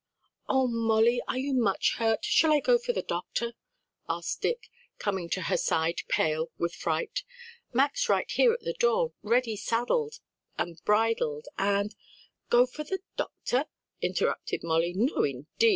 "Oh, Molly, are you much hurt? shall I go for the doctor?" asked Dick, coming to her side pale with fright. "Mac's right here at the door, ready saddled and bridled, and " "Go for the doctor?" interrupted Molly. "No, indeed!